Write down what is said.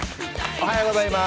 おはようございます。